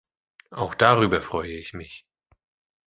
Auch darüber freue ich mich.